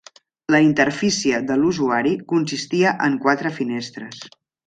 La interfície de l'usuari consistia en quatre finestres.